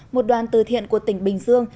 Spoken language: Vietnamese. một đoàn từ thiện của tỉnh bình dương